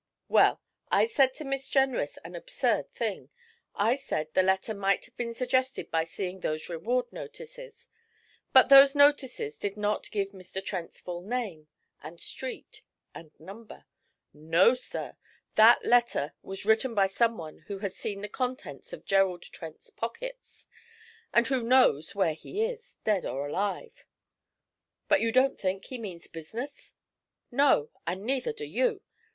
'Well, I said to Miss Jenrys an absurd thing. I said the letter might have been suggested by seeing those reward notices; but those notices did not give Mr. Trent's full name, and street, and number. No, sir, that letter was written by someone who has seen the contents of Gerald Trent's pockets, and who knows where he is, dead or alive.' 'But you don't think he means business?' 'No. And neither do you.